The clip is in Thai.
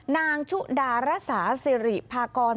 นางชุดาระสาสิริพากร